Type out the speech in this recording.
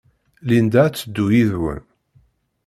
Linda ad teddu yid-wen.